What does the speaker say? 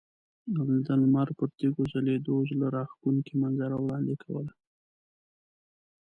د لمر پر تیږو ځلیدو زړه راښکونکې منظره وړاندې کوله.